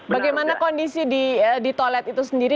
bagaimana kondisi di toilet itu sendiri